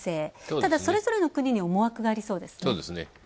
ただ、それぞれの国に思惑がありそうですね。